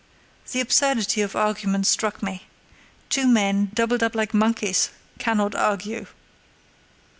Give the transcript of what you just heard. The absurdity of argument struck me; two men, doubled up like monkeys, cannot argue.